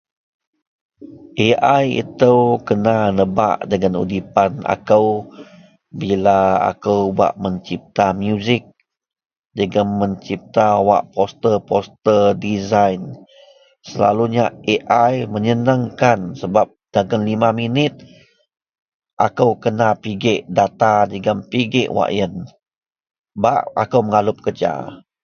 Ai----Ai ito kena nebak dagen udipan akou bila akou bak mecipta musik jegum mecipta wak posta-posta design, selalunya Ai menyenang kan sebab dagen lima minit akou kena pigek data jegum pigek wak iyen bak akou mengalup kerja